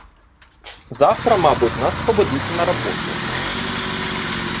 Завтра, мабуть, нас поведуть на роботу.